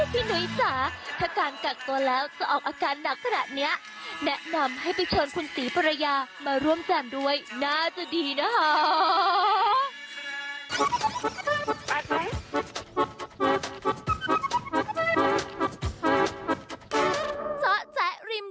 พี่หนุ๊ยสาห์ถ้าจังกักตัวแล้วจะออกอาการหนักขนาดนี้แนะนำให้ไปชนคุณศรีพรยามาร่วมจ่ามด้วยน่าจะดีนะฮะ